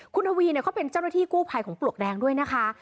คุณทวีเขาเป็นเจ้าหน้าที่กู้ภัยของปลวกแดงด้วยนะคะ